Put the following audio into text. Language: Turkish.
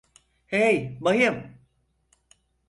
Hey, bayım!